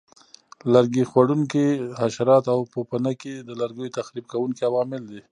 لرګي خوړونکي حشرات او پوپنکي د لرګیو تخریب کوونکي عوامل دي.